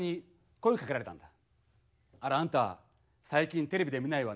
「あらあんた最近テレビで見ないわね」